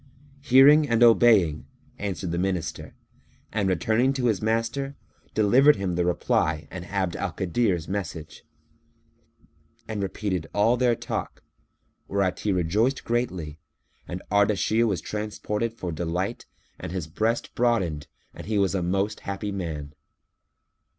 "Hearing and obeying," answered the Minister; and, returning to his master, delivered him the reply and Abd al Kadir's message, and repeated all their talk, whereat he rejoiced greatly and Ardashir was transported for delight and his breast broadened and he was a most happy man.